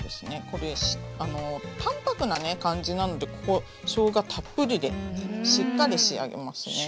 これ淡泊なね感じなのでここしょうがたっぷりでしっかり仕上げますね。